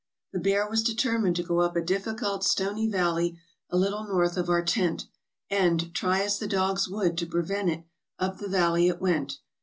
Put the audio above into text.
"The bear was determined to go up a difficult stony valley a little north of our tent, and, try as the dogs would to prevent it, up the valley it went.